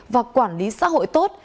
và quản lý xã hội tốt